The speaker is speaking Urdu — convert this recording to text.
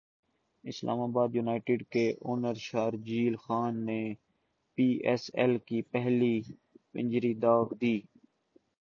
اسلام ابادیونائیٹڈ کے اوپنر شرجیل خان نے پی ایس ایل کی پہلی سنچری داغ دی